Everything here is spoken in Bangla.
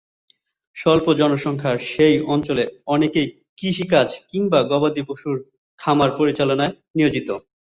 স্বল্প জনসংখ্যার সেই অঞ্চলে অনেকেই কৃষিকাজ কিংবা গবাদিপশুর খামার পরিচালনায় নিয়োজিত।